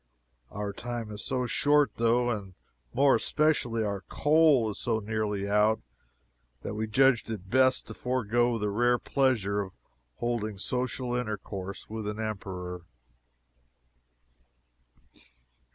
Our time is so short, though, and more especially our coal is so nearly out, that we judged it best to forego the rare pleasure of holding social intercourse with an Emperor.